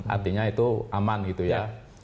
artinya itu aman gitu ya